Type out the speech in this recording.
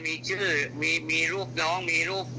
มีชื่อมีลูกน้องมีลูก